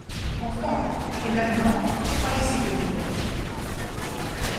Enfants ; et maintenant, croyez si vous voulez !